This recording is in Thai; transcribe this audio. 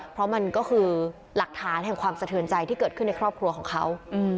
เพราะมันก็คือหลักฐานแห่งความสะเทือนใจที่เกิดขึ้นในครอบครัวของเขา